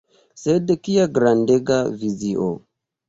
Sed kia grandega vizio!